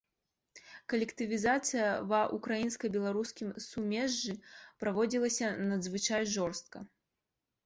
Калектывізацыя ва ўкраінска-беларускім сумежжы праводзілася надзвычай жорстка.